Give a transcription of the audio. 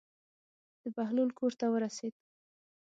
د بهلول کور ته ورسېد.